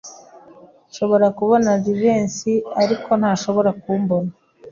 Nshobora kubona Jivency, ariko ntashobora kumbona.